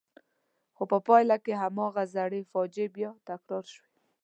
خو په پایله کې هماغه زړې فاجعې بیا تکرار شوې.